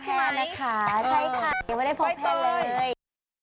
ใช่ค่ะยังไม่ได้พบแพทย์เลย